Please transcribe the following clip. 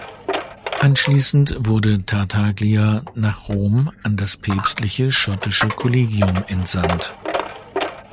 Anschließend wurde Tartaglia nach Rom an das Päpstliche Schottische Kollegium entsandt.